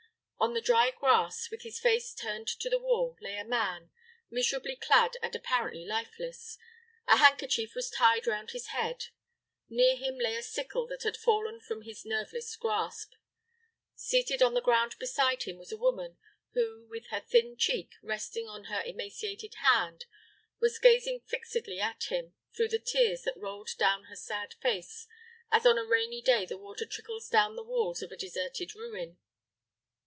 On the dry grass, with his face turned to the wall, lay a man, miserably clad and apparently lifeless; a handkerchief was tied round his head; near him lay a sickle that had fallen from his nerveless grasp; seated on the ground beside him was a woman, who, with her thin cheek resting on her emaciated hand, was gazing fixedly at him through the tears that rolled down her sad face, as on a rainy day the water trickles down the walls of a deserted ruin.